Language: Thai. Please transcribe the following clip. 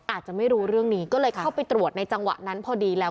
อาจจะไม่รู้เรื่องนี้ก็เลยเข้าไปตรวจในจังหวะนั้นพอดีแล้ว